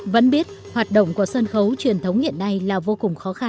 vẫn biết hoạt động của sân khấu truyền thống hiện nay là vô cùng khó khăn